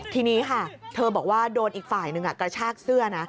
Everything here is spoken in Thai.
ทีนี้ค่ะเธอบอกว่าโดนอีกฝ่ายหนึ่งกระชากเสื้อนะ